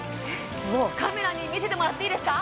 カメラに見せてもらっていいですか？